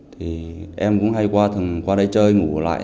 thì em cũng hay qua thường qua đây chơi ngủ lại